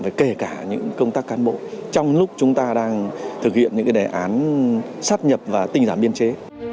và kể cả những công tác cán bộ trong lúc chúng ta đang thực hiện những đề án sắp nhập và tinh giảm biên chế